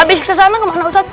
abis kesana kemana ustadz